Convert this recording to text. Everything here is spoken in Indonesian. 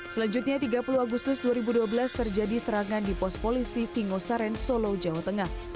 selanjutnya tiga puluh agustus dua ribu dua belas terjadi serangan di pos polisi singosaren solo jawa tengah